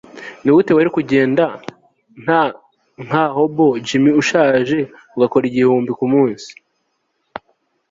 nigute wari kugenda t nka hobo jimmy ushaje ugakora igihumbi kumunsi